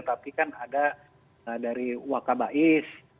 tapi kan ada dari wakabais